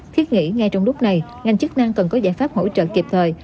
thiết nghĩ ngay trong lúc này ngành chức năng cần có giải pháp hỗ trợ kịp thời